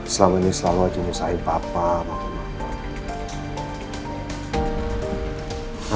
selama ini selalu aja nyesahin papa mama mama